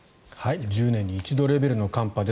１０年に一度レベルの寒波です。